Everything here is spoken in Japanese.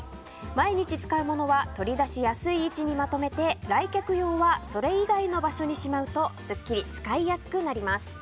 毎日使うものは取り出しやすい位置にまとめて来客用はそれ以外の場所にしまうとすっきり使いやすくなります。